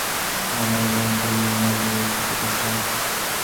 আমার বন্ধু নীলমাধবের খাতা থেকে।